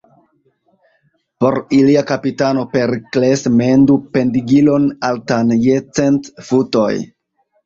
Por ilia kapitano Perikles mendu pendigilon altan je cent futoj.